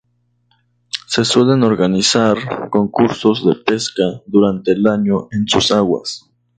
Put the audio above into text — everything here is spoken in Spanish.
Se suelen organizar concursos de pesca durante el año en sus aguas.